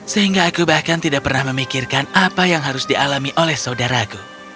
sehingga aku bahkan tidak pernah memikirkan apa yang harus dialami oleh saudaraku